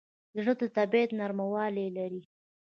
زړه د طبیعت نرموالی لري.